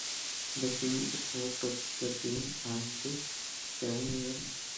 King, the Four Tops, the Tams and Atlanta's own Gladys Knight.